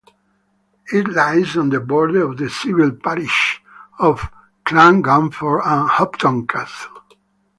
It lies on the border of the civil parishes of Clungunford and Hopton Castle.